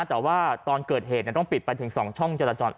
แต่ว่าตอนเกิดเหตุต้องปิดไปถึง๒ช่องจราจร